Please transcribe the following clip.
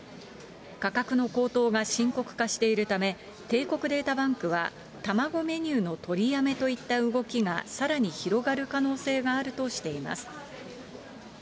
価格の高騰が深刻化しているため、帝国データバンクは、卵メニューの取りやめといった動きがさらに広がる可能性があるとしています。